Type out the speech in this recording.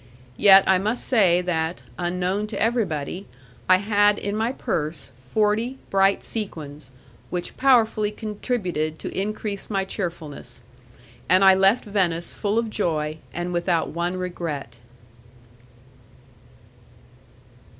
Yet I must say that, unknown to everybody, I had in my purse forty bright sequins, which powerfully contributed to increase my cheerfulness, and I left Venice full of joy and without one regret.